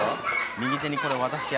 右手にこれ渡してやって。